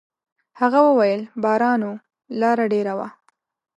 هغه وويل: «باران و، لاره ډېره وه.»